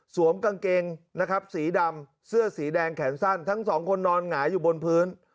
กางเกงนะครับสีดำเสื้อสีแดงแขนสั้นทั้งสองคนนอนหงายอยู่บนพื้น